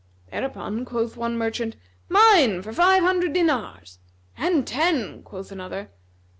Thereupon quoth one merchant, "Mine for five hundred dinars;" "And ten," quoth another.